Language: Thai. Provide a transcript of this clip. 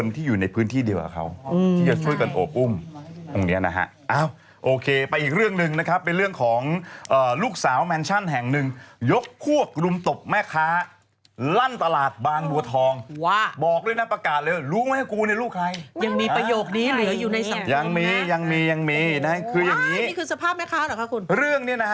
แต่ว่าต้องค่อยเป็นค่อยพันธุ์